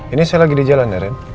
ini saya lagi di jalan ya